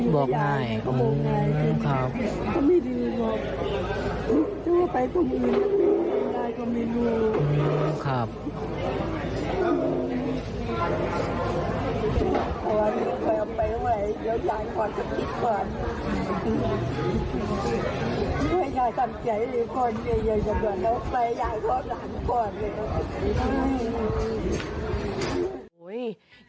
บอกยายนะยย